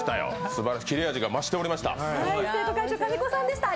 すばらしい、キレ味が増しておりました。